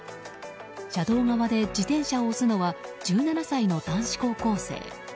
車道側で自転車を押すのは１７歳の男子高校生。